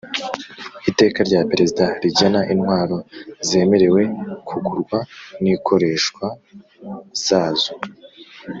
Iteka rya Perezida rigena intwaro zemerewe kugurwa nikoreshwa zazo